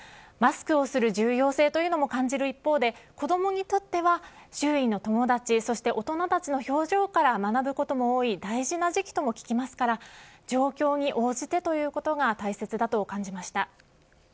マスクをする重要性というのも感じる一方で子どもにとっては周囲の友達、そして大人たちの表情から学ぶことも多い大事な時期とも聞きますから状況に応じてということが大切だと感じました。